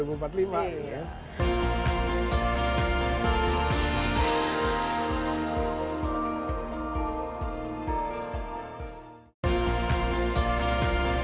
saya sudah memiliki kekuatan yang sangat besar